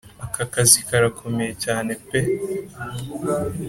aka kazi karakomeye cyane pe